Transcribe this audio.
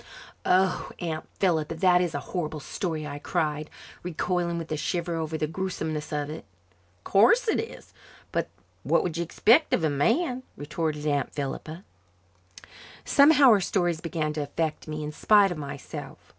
"Oh, Aunt Philippa, that is a horrible story," I cried, recoiling with a shiver over the gruesomeness of it. "'Course it is, but what would you expect of a man?" retorted Aunt Philippa. Somehow, her stories began to affect me in spite of myself.